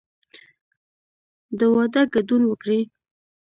د واده ګډون وکړئ